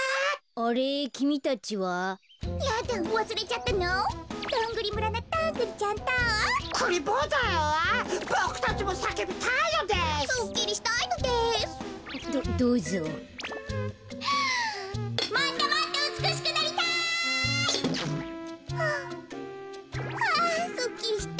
あすっきりした。